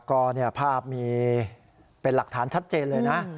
ก็ภาพมีเป็นหลักฐานชัดเจนเลยนะ